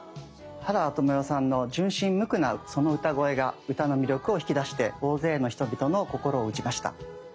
原田知世さんの純真無垢なその歌声が歌の魅力を引き出して大勢の人々の心を打ちました。